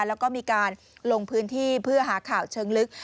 แล้วก็มีการลงพื้นที่เพื่อหาข่าวเชิงลึก